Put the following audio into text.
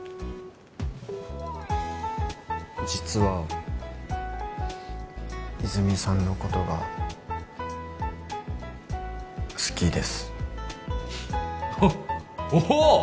実は泉さんのことが好きですおおう！